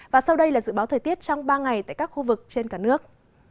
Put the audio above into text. và sau đây là dự báo thời tiết trong ba ngày tại các khu vực trên cả nước